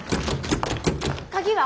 鍵は？